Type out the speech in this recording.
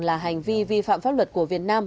là hành vi vi phạm pháp luật của việt nam